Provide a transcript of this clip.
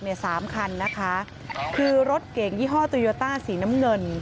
สามคันนะคะคือรถเก่งยี่ห้อโตโยต้าสีน้ำเงิน